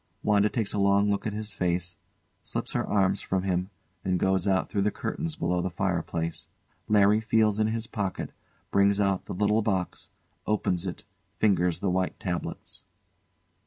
[WANDA takes a long look at his face, slips her arms from him, and goes out through the curtains below the fireplace.] [LARRY feels in his pocket, brings out the little box, opens it, fingers the white tabloids.